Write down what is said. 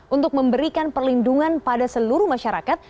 untuk memberikan perlindungan pada seluruh masyarakat